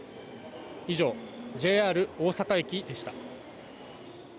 以上ＪＲ大阪駅でした。